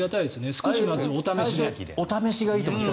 最初お試しがいいと思います。